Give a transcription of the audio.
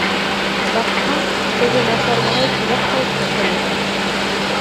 Баҡһаң, теге Насар малай тоҙаҡ һалып киткән икән.